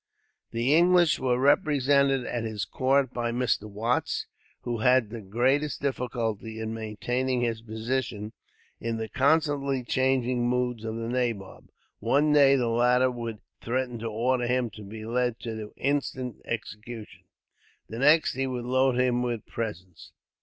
The English were represented at his court by Mr. Watts, who had the greatest difficulty in maintaining his position, in the constantly changing moods of the nabob. One day the latter would threaten to order him to be led to instant execution, the next he would load him with presents.